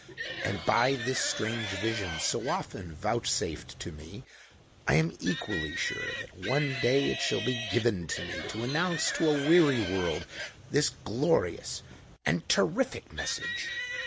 And, by this strange vision so often vouchsafed to me, I am equally sure that one day it shall be given to me to announce to a weary world this glorious and terrific message."